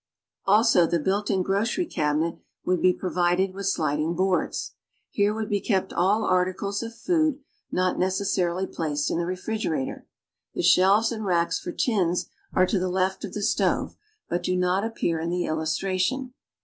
Also, the built in grocery cabinet would be provided with sliding boards. Here would be kept all articles of food not necessarily placed in the refrigerator. The shelves and racks for tins are to the left of the stove, but do not appear in the illustration.